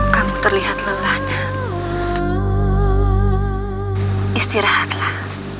kamu terlihat lelah istirahatlah